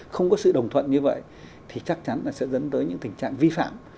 không có sự đồng thuận như vậy thì chắc chắn là sẽ dẫn tới những tình trạng vi phạm